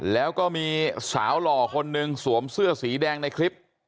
แล้วก็มีสาวหล่อคนหนึ่งสวมเสื้อสีแดงในคลิป